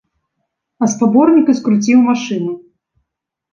А спаборнік і скруціў машыну.